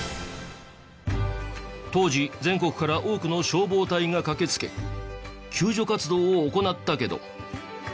当時全国から多くの消防隊が駆けつけ救助活動を行ったけど。